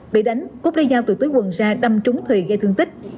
bị đánh cúc đeo dao từ túi quần ra đâm trúng thùy gây thương tích